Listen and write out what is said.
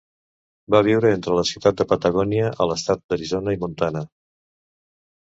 Va viure entre la ciutat de Patagònia, a l'estat d'Arizona, i Montana.